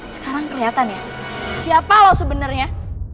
sekarang keliatan ya siapa lo sebenernya